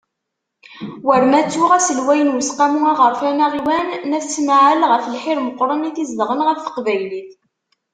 War ma ttuɣ aselway n Useqqamu aɣerfan aɣiwan n At Smaɛel ɣef lḥir meqqren i t-izedɣen ɣef teqbaylit.